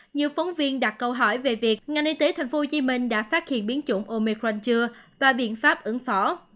nhiều phóng viên đặt câu hỏi về việc ngành y tế tp hcm đã phát hiện biến chủng omicran chưa và biện pháp ứng phó